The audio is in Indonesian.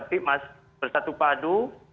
tapi mas bersatu padu